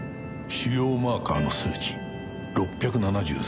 「腫瘍マーカーの数値６７３に」